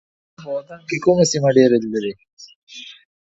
تاسو په وطن کي کومه سیمه ډېره لیدلې؟